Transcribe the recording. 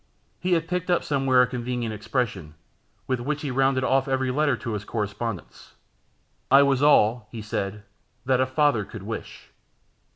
He had picked up somewhere a convenient expression, with which he rounded off every letter to his correspondent, "I was all," he said, "that a father could wish."